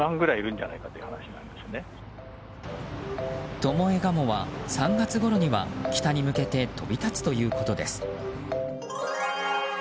トモエガモは３月ごろには北に向けて飛び立つということです。